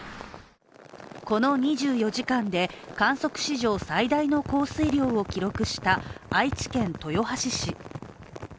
この２４時間で観測史上最大の降水量を記録した愛知県豊橋市。